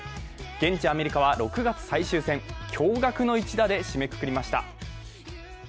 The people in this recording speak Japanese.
現地アメリカは６月最終戦、驚がくの一打で締めくくりました。